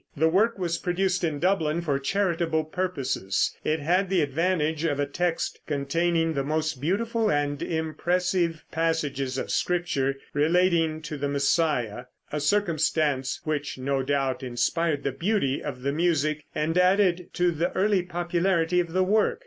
The work was produced in Dublin for charitable purposes. It had the advantage of a text containing the most beautiful and impressive passages of Scripture relating to the Messiah, a circumstance which no doubt inspired the beauty of the music, and added to the early popularity of the work.